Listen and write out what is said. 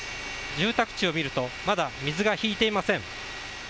住宅地を見るとまだ水が引いていません。